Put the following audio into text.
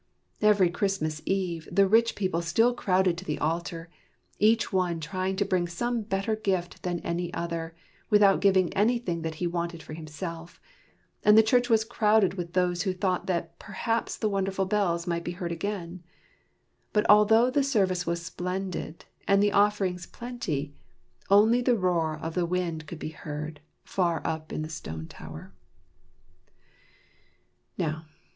Every Christmas Eve the rich people still crowded to the altar, each one trying to bring some better gift than any other, without giving anything that he wanted for himself, and the church was crowded with those who thought that perhaps the wonderful bells might be heard again. But although the service was splendid, and the offerings plenty, only the roar of the wind could be heard, far up in the stone tower.